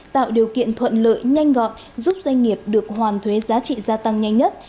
tạo điều kiện thuận lợi nhanh gọn giúp doanh nghiệp được hoàn thuế giá trị gia tăng nhanh nhất